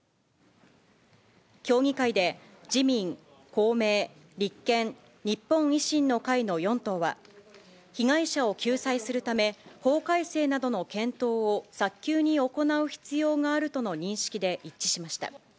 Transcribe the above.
協議会で、自民、公明、立憲、日本維新の会の４党は、被害者を救済するため、法改正などの検討を早急に行う必要があるとの認識で一致しました。